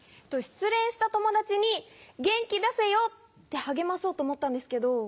失恋した友達に「元気出せよ」って励まそうと思ったんですけど。